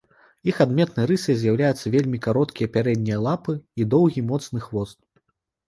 Іх адметнай рысай з'яўляюцца вельмі кароткія пярэднія лапы і доўгі моцны хвост.